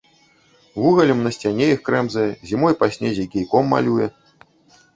Вугалем на сцяне іх крэмзае, зімой па снезе кійком малюе.